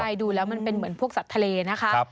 ใช่ดูแล้วมันเป็นเหมือนพวกสัตว์ทะเลนะคะ